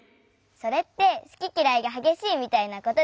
それってすききらいがはげしいみたいなことでしょ？